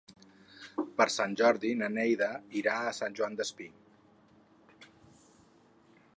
Per Sant Jordi na Neida irà a Sant Joan Despí.